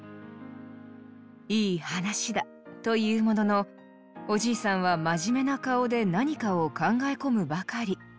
「いい話だ」と言うもののおじいさんは真面目な顔で何かを考え込むばかり。